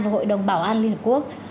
và hội đồng bảo an liên hợp quốc